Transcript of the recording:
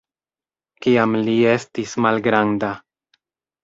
Kiam li estis malgranda.